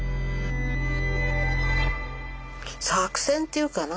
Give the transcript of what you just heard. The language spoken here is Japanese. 作戦っていうかな